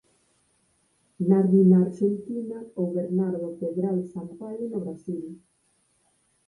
Nardi na Arxentina ou Bernardo Pedral Sampaio no Brasil.